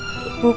nggak ada apa